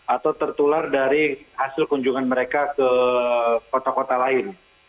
atau tertular dari hasil kunjungan mereka ke kota kota lain